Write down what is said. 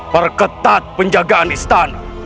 perketat penjagaan istana